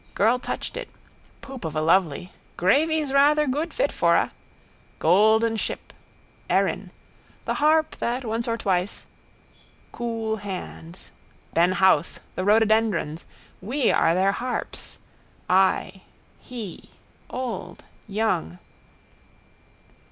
Girl touched it. Poop of a lovely. Gravy's rather good fit for a. Golden ship. Erin. The harp that once or twice. Cool hands. Ben Howth, the rhododendrons. We are their harps. I. He. Old. Young.